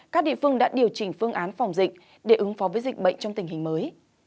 các địa phương đã điều chỉnh phương án phòng dịch để ứng phó với dịch bệnh trong tình hình mới